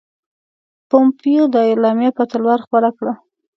پومپیو دا اعلامیه په تلوار خپره کړه.